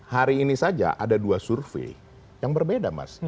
hari ini saja ada dua survei yang berbeda mas